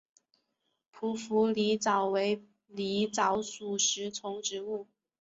匍匐狸藻为狸藻属食虫植物。